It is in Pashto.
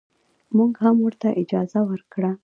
موږ هم ورته اجازه ورکړه.